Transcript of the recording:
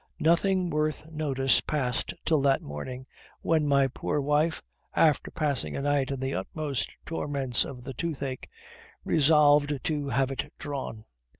Nothing worth notice passed till that morning, when my poor wife, after passing a night in the utmost torments of the toothache, resolved to have it drawn.